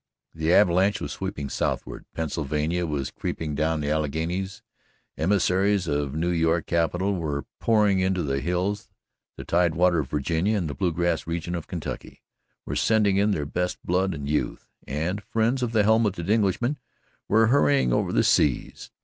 The avalanche was sweeping southward; Pennsylvania was creeping down the Alleghanies, emissaries of New York capital were pouring into the hills, the tide water of Virginia and the Bluegrass region of Kentucky were sending in their best blood and youth, and friends of the helmeted Englishmen were hurrying over the seas.